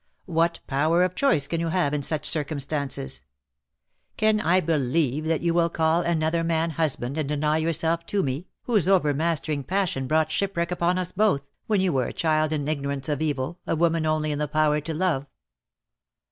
What power of choice can you have in such circum stances? Can I believe that you will call another man husband and deny yourself to me, whose over mastering passion brought shipwreck upon us both, DEAD LOV^E HAS CHAINS. I247 when you were a child in ignorance of evil, a woman Only in the power to love.